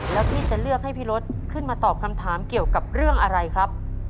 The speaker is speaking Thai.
แล้วพี่จะเลือกให้พี่รถขึ้นมาตอบคำถามเกี่ยวกับเรื่องอะไรครับ